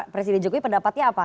presiden jokowi pendapatnya apa